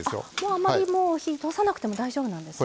あまり火通さなくても大丈夫なんですね。